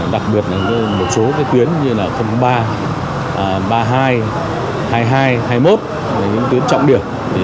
đặc biệt là một số tuyến như là ba mươi hai hai mươi hai hai mươi một những tuyến trọng điểm